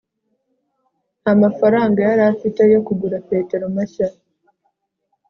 ntamafaranga yari afite yo kugura petero mashya